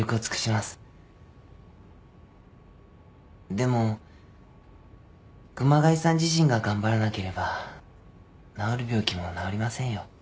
でも熊谷さん自身が頑張らなければ治る病気も治りませんよ。